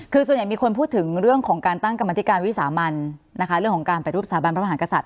คือส่วนใหญ่มีคนพูดถึงเรื่องของการตั้งกรรมธิการวิสามันนะคะเรื่องของการไปรูปสถาบันพระมหากษัตริย